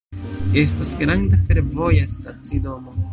Estas granda fervoja stacidomo.